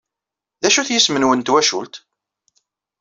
D acu-t yisem-nwen n twacult?